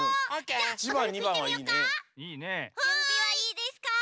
じゅんびはいいですか？